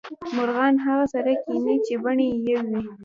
مرغان هغه سره کینې چې بڼې یو وې